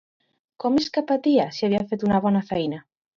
Com és que patia, si havia fet una bona feina?